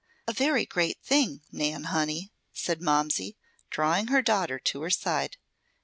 "A very great thing, Nan, honey," said Momsey, drawing her daughter to her side.